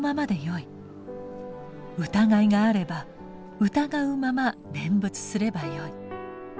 疑いがあれば疑うまま念仏すればよい。